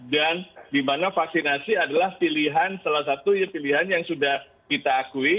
dan di mana vaksinasi adalah pilihan salah satu pilihan yang sudah kita akui